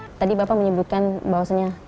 hai tadi bapak menyebutkan bahwasanya